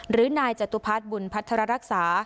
หรือนายจตุพัฒน์บุญพัทรรักษา